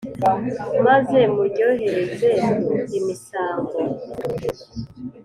Maze muryohereze imisango